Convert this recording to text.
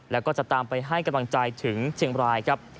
แล้วก็จะตามไปให้กำลังใจถึงเชียงบรายครับ